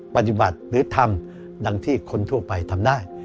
ปฏิบัติหรือทำดังที่คนทั่วไปทำได้